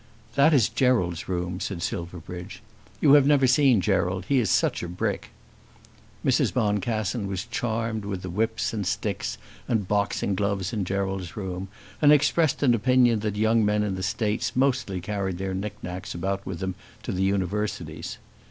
"That is Gerald's room," said Silverbridge. "You have never seen Gerald. He is such a brick." Mrs. Boncassen was charmed with the whips and sticks and boxing gloves in Gerald's room, and expressed an opinion that young men in the States mostly carried their knick knacks about with them to the Universities.